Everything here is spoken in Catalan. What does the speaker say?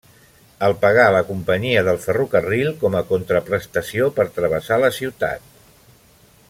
El pagà la companyia del ferrocarril com a contraprestació per travessar la ciutat.